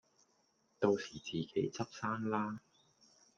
到時自己執生啦